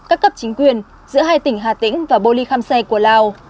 các cấp chính quyền giữa hai tỉnh hà tĩnh và bô ly khăm say của lào